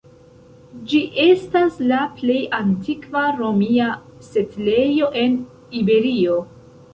Ĝi estas la plej antikva romia setlejo en Iberio.